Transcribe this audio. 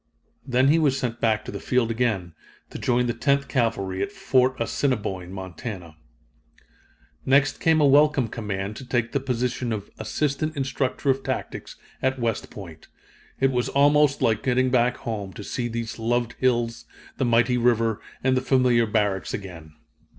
Then he was sent back to the field again, to join the Tenth Cavalry at Fort Assiniboine, Montana. Next came a welcome command to take the position of Assistant Instructor of Tactics, at West Point. It was almost like getting back home, to see these loved hills, the mighty river, and the familiar barracks again.